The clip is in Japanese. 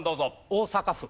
大阪府。